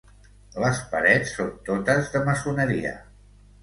Les parets són totes de maçoneria.